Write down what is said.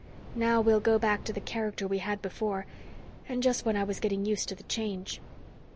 Now we'll go back to the character we had before and just when I was getting used to the change."